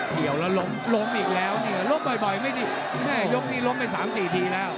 เหี่ยวแล้วล้มอีกแล้วล้มบ่อยไม่ดีล้มไป๓๔ทีแล้ว